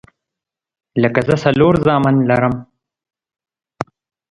لکه زه څلور زامن لرم